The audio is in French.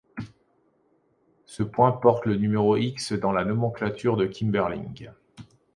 Ce point porte le numéro X dans la nomenclature de Kimberling.